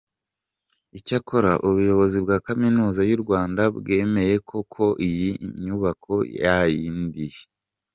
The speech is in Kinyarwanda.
Icyakora ubuyobozi bwa Kaminuza y’u Rwanda bwemeye ko koko iyi nyubako yadindiye.